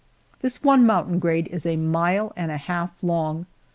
This one mountain grade is a mile and a half long.